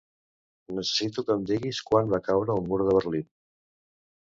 Necessito que em diguis quan va caure el mur de Berlín.